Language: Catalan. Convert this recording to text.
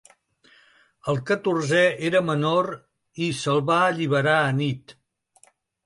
El catorzè era menor i se’l va alliberar anit.